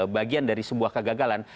bagian dari sebuah kegagalan